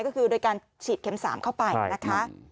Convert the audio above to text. ก็คือโดยการฉีดเข็ม๓เข้าไปนะคะ